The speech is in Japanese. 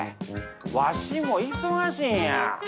わしも忙しいんや。